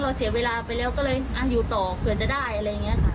เสียเวลาไปแล้วก็เลยอันอยู่ต่อเผื่อจะได้อะไรอย่างนี้ค่ะ